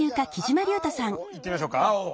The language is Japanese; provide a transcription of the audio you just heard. じゃあ青いってみましょうか。